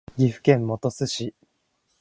岐阜県本巣市